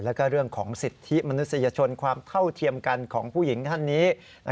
แล้วก็เรื่องของสิทธิมนุษยชนความเท่าเทียมกันของผู้หญิงท่านนี้